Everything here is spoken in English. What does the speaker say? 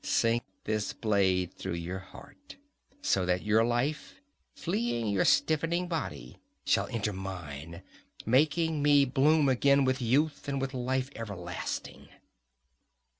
sink this blade through your heart, so that your life, fleeing your stiffening body, shall enter mine, making me bloom again with youth and with life everlasting!"